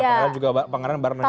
karena juga pengadaan barang dan jasa